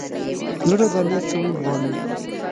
زړه د نیت سمون غواړي.